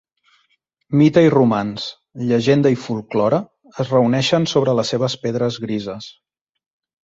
Mite i romanç, llegenda i folklore es reuneixen sobre les seves pedres grises.